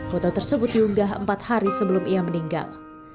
foto tersebut diunggah empat hari sebelum ia meninggal